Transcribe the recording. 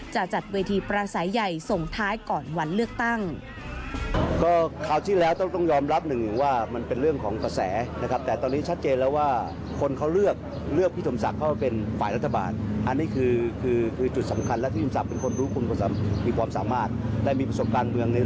จะจัดเวทีประสัยใหญ่ส่งท้ายก่อนวันเลือกตั้ง